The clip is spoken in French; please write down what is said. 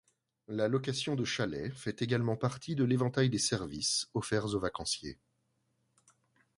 La location de chalets fait également partie de l'éventail des services offerts aux vacanciers.